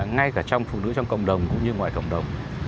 ngay cả trong phụ nữ trong cộng đồng cũng như ngoài cộng đồng